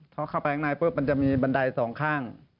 เขาเข้าไปข้างในปุ๊บมันจะมีบันไดสองข้าง